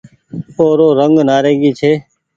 او رو رنگ نآريگي ڇي۔